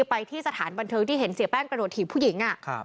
ไปที่สถานบันเทิงที่เห็นเสียแป้งกระโดดถีบผู้หญิง